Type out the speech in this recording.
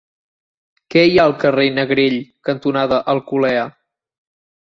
Què hi ha al carrer Negrell cantonada Alcolea?